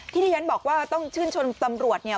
ที่ที่ฉันบอกว่าต้องชื่นชมตำรวจเนี่ย